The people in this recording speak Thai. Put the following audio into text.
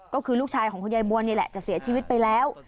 ก็คือลูกชายของคุณยายบัวนี่แหละจะเสียชีวิตไปแล้ว